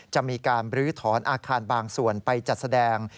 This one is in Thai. จะมีการบรื้อถอนอาคารบางส่วนไปจัดแสดง